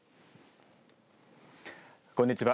こんにちは。